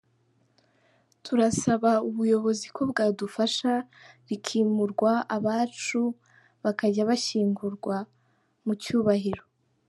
Turasaba ubuyobozi ko bwadufasha rikimurwa abacu bakajya bashyingurwa mu cyubahiro.